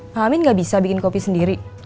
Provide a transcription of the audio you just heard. pahamin gak bisa bikin kopi sendiri